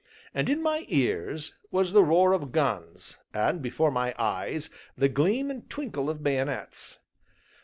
And in my ears was the roar of guns, and before my eyes the gleam and twinkle of bayonets.